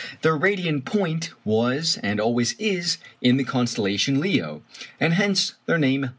Their radiant point was and always is in the constellation Leo, and hence their name Leonids.